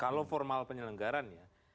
kalau formal penyelenggaraan ya